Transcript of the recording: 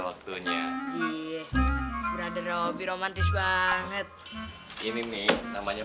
ntar aja di minum ya